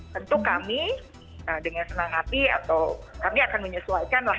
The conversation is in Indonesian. tentu kami dengan senang hati atau kami akan menyesuaikan lah